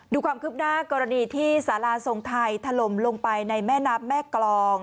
ดูความคืบหน้ากรณีที่สาราทรงไทยถล่มลงไปในแม่น้ำแม่กรอง